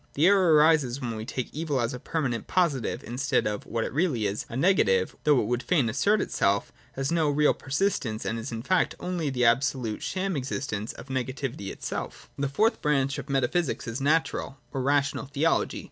The error arises when we take Evil as a permanent positive, instead of— what it really is— a negative which, though it would fain assert itself, has no real persistence, and is, in fact, only the absolute sham existence of negativity in itself. 36.] The fourth branch of metaphysics is Natural or Rational Theology.